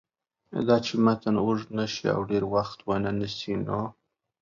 داچې متن اوږد نشي او ډېر وخت ونه نیسي نو